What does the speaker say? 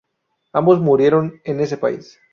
Ambos murieron en ese país.